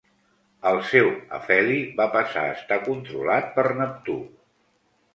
El seu afeli va passar a estar controlat per Neptú.